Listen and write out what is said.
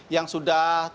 yang sudah terjadi